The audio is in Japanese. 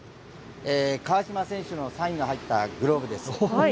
川島選手のサインが入ったグローブです。